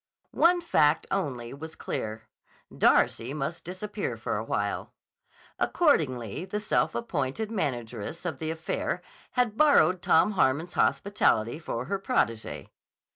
One fact only was clear: Darcy must disappear for a while. Accordingly the self appointed manageress of the affair had borrowed Tom Harmon's hospitality for her protégée.